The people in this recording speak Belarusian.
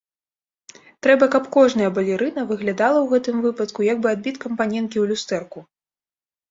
Трэба, каб кожная балерына выглядала ў гэтым выпадку як бы адбіткам паненкі ў люстэрку.